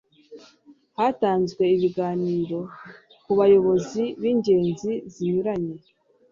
hatanzwe ibiganiro ku bayobozi b'ingeri zinyuranye